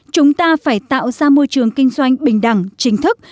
chúng ta phải tạo ra môi trường kinh doanh bình đẳng chính thức